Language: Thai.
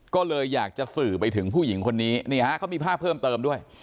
ก็เลยอยากจะสื่อไปถึงผู้หญิงคนนี้นี่ฮะเขามีภาพเพิ่มเติมด้วย